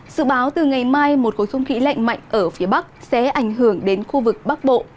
sự báo từ ngày mai một khối không khí lạnh mạnh ở phía bắc sẽ ảnh hưởng đến khu vực bắc bộ